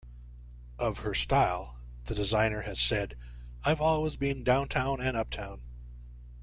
Of her style, the designer has said: I've always been downtown and uptown.